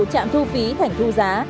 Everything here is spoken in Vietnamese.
cái vụ trạm thu phí thành thu giá